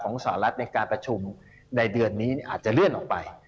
สหรัฐในการประชุมในเดือนนี้อาจจะเลื่อนออกไป